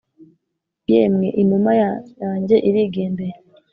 yemwe inuma yanjye irigendeye